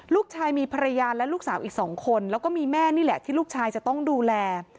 ลูกชายมีภรรยาและลูกสาวอีก๒คนแล้วก็มีแม่นี่แหละที่ลูกชายจะต้องดูแล